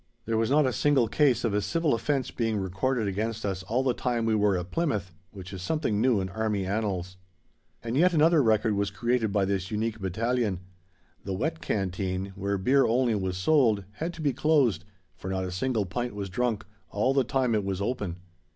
There was not a single case of a civil offence being recorded against us all the time we were at Plymouth, which is something new in Army annals. And yet another record was created by this unique Battalion. The Wet Canteen, where beer only was sold, had to be closed, for not a single pint was drunk all the time it was open.